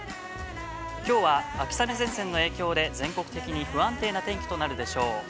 きょうは秋雨前線の影響で不安定な天気となるでしょう。